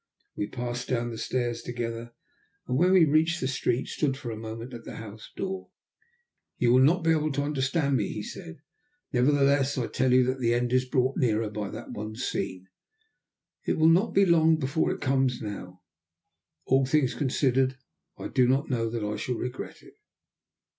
We passed down the stairs together, and, when we reached the street, stood for a moment at the house door. "You will not be able to understand me," he said; "nevertheless, I tell you that the end is brought nearer by that one scene. It will not be long before it comes now. All things considered, I do not know that I shall regret it."